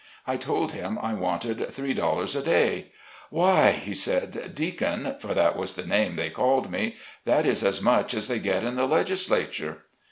I told him I wanted three dollars a day. " Why !" said he, "Deacon (for that was the name they called me), "that is as much as they get in the legislature."